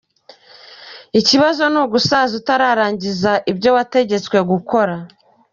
Ikibazo ni ugusaza utararangiza ibyo wategetswe gukora.